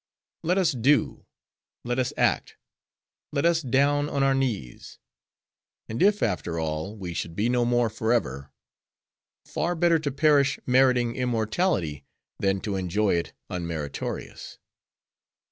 Let us do: let us act: let us down on our knees. And if, after all, we should be no more forever;— far better to perish meriting immortality, than to enjoy it unmeritorious.